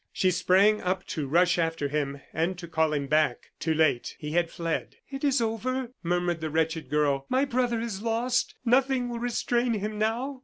She sprang up to rush after him and to call him back. Too late! He had fled. "It is over," murmured the wretched girl; "my brother is lost. Nothing will restrain him now."